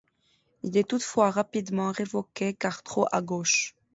Il est toutefois rapidement révoqué car trop à gauche.